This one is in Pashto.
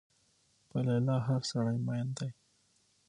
په لیلا هر سړی مين دی